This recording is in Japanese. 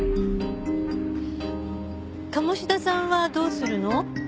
鴨志田さんはどうするの？